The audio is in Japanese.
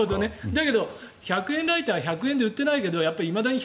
だけど、１００円ライターは１００円で売ってないけどいまだに１００円